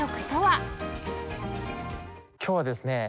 今日はですね